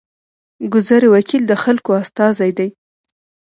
ګذر وکیل د خلکو استازی دی